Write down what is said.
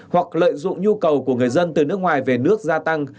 hoặc lợi dụng nhu cầu của người dân từ nước ngoài về nước gia tăng